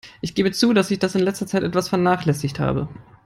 Ich gebe zu, dass ich das in letzter Zeit etwas vernachlässigt habe.